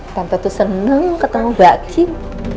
tante tuh seneng ketemu bakim